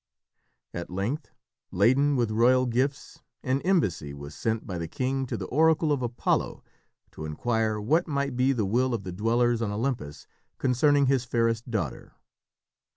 At length, laden with royal gifts, an embassy was sent by the king to the oracle of Apollo to inquire what might be the will of the dwellers on Olympus concerning his fairest daughter.